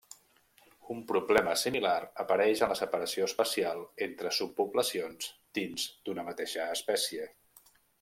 Un problema similar apareix en la separació espacial entre subpoblacions dins d'una mateixa espècie.